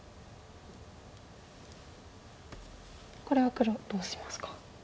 これは黒どうしますか？